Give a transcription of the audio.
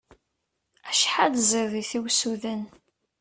Acḥal ẓid-it i usuden!